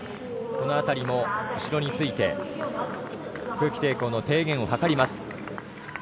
この辺りも後ろについて空気抵抗の低減を図ります。